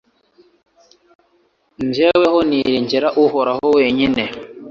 jyeweho niringira Uhoraho wenyine